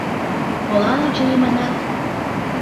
— Молан «очыни» манат?